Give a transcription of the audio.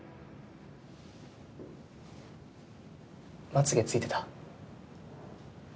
まつげ付いてた。